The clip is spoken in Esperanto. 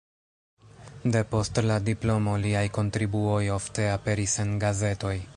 Depost la diplomo liaj kontribuoj ofte aperis en gazetoj.